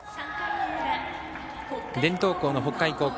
伝統校の北海高校。